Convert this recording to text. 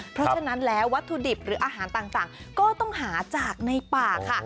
เพราะฉะนั้นแล้ววัตถุดิบหรืออาหารต่างก็ต้องหาจากในป่าค่ะ